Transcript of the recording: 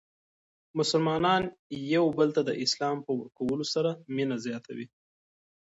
مسلمانان یو بل ته د سلام په ورکولو سره مینه زیاتوي.